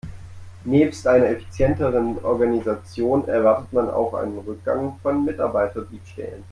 Nebst einer effizienteren Organisation erwartet man auch einen Rückgang von Mitarbeiterdiebstählen.